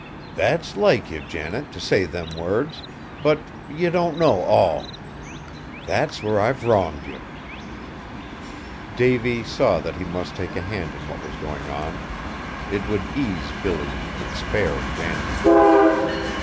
"That's like ye, Janet, t' say them words; but ye don't know all! That's whar I've wronged ye." Davy saw that he must take a hand in what was going on. It would ease Billy and spare Janet.